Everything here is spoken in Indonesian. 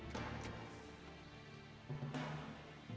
nggak boleh ngelawan sama suami